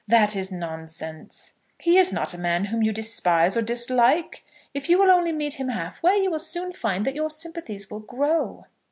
"That is nonsense. He is not a man whom you despise or dislike. If you will only meet him half way you will soon find that your sympathies will grow."